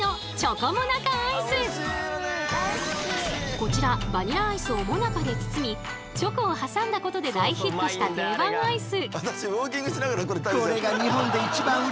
こちらバニラアイスをモナカで包みチョコを挟んだことで大ヒットした定番アイス。